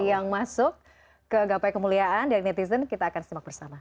yang masuk ke gapai kemuliaan dari netizen kita akan simak bersama